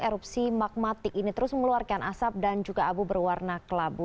erupsi magmatik ini terus mengeluarkan asap dan juga abu berwarna kelabu